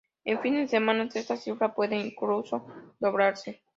En fines de semanas esta cifra puede incluso doblarse.